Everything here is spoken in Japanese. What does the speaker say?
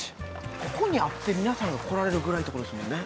ここにあって皆さんが来られるぐらいってことですもんね